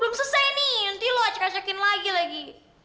belum selesai nih nanti lo acak acakin lagi lagi